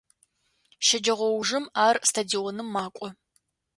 Щэджэгъоужым ар стадионым макӏо.